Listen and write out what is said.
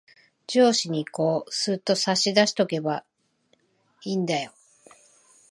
上司にこう、すっと差し出しとけばいんだよ。